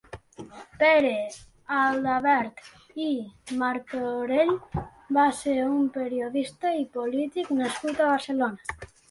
Pere Aldavert i Martorell va ser un periodista i polític nascut a Barcelona.